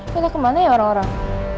kita kemana ya orang orang